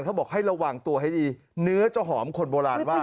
เขาบอกให้ระวังตัวให้ดีเนื้อจะหอมคนโบราณว่า